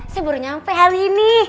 saya baru nyampe hari ini